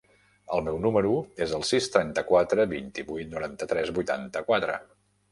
El meu número es el sis, trenta-quatre, vint-i-vuit, noranta-tres, vuitanta-quatre.